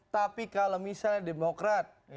tapi kalau misalnya demokrat